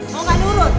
mau gak nurut